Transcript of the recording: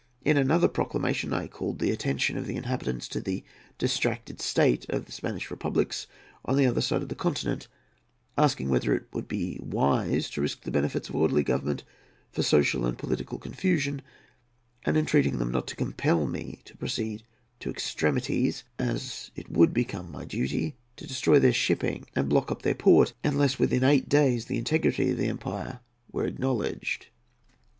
In another proclamation I called the attention of the inhabitants to the distracted state of the Spanish republics on the other side of the continent, asking whether it would be wise to risk the benefits of orderly government for social and political confusion, and entreating them not to compel me to proceed to extremities, as it would become my duty to destroy their shipping and block up their port, unless, within eight days, the integrity of the empire were acknowledged."